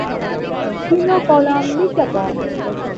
ছিল কলাম বিজ্ঞাপন।